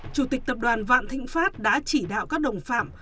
chủ tịch tập đoàn vạn thịnh pháp đã chỉ đạo các đồng phạm